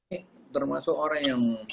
ini termasuk orang yang